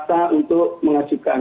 masa untuk mengajukan